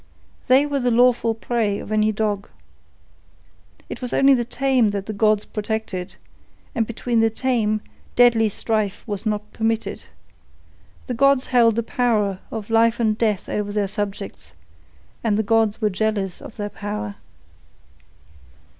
They were the lawful prey of any dog. It was only the tame that the gods protected, and between the tame deadly strife was not permitted. The gods held the power of life and death over their subjects, and the gods were jealous of their power.